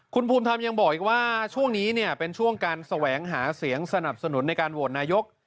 คุณภูมิธรรมยังบอกอีกว่าช่วงนี้เนี่ยเป็นช่วงการแสวงหาเสียงสนับสนุนในการโหวตนายก